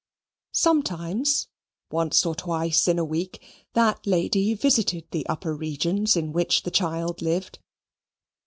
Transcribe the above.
Sometimes once or twice in a week that lady visited the upper regions in which the child lived.